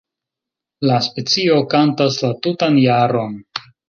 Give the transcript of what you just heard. La specio kantas la tutan jaron.